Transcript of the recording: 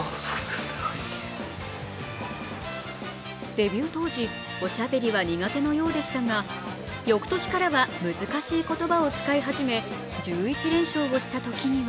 デビュー当時、おしゃべりは苦手のようでしたが翌年からは難しい言葉を使い始め１１連勝をしたときには